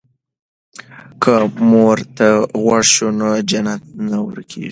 که مور ته غوږ شو نو جنت نه ورکيږي.